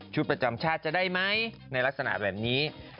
ประจำชาติจะได้ไหมในลักษณะแบบนี้